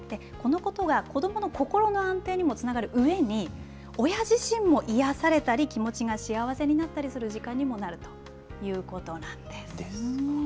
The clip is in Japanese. このことが子どもの心の安定にもつながるうえに、親自身も癒やされたり、気持ちが幸せになったりする時間にもなるということなんですね。